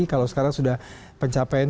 kalau sekarang sudah pencapaian